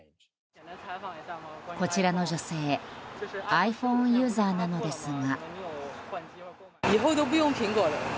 こちらの女性、ｉＰｈｏｎｅユーザーなのですが。